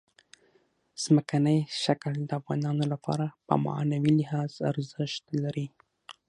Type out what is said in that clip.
ځمکنی شکل د افغانانو لپاره په معنوي لحاظ ارزښت لري.